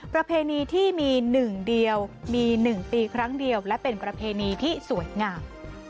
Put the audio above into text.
ประเพณีที่มี๑เดียวมี๑ปีครั้งเดียวและเป็นประเพณีที่สวยงาม